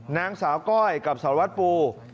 นางสาวก้อยกับสารวัตรปู